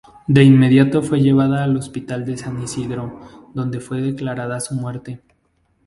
De inmediato fue llevada al Hospital de San Isidro donde fue declarada su muerte.